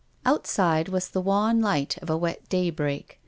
Outside was the wan light of a wet day break.